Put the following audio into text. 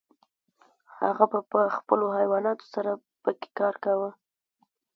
هغه به په خپلو حیواناتو سره پکې کار کاوه.